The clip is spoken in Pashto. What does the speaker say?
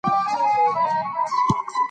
دا ناول د اتلسمې میلادي پېړۍ حالات بیانوي.